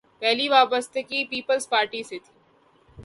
پہلی وابستگی پیپلز پارٹی سے تھی۔